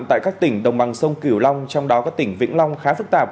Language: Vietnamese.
tại các tỉnh đồng bằng sông kiểu long trong đó có tỉnh vĩnh long khá phức tạp